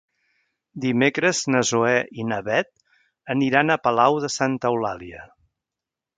Dimecres na Zoè i na Bet aniran a Palau de Santa Eulàlia.